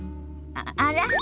あら？